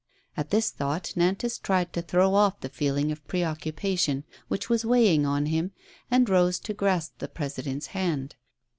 At this thought Nantas tried to throw off the feeling of preoccupation which was weighing on him, and rose to grasp the President's hand.